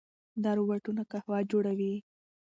دا روباټونه قهوه جوړوي.